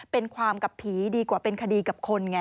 เป็นความกับผีดีกว่าเป็นคดีกับคนไง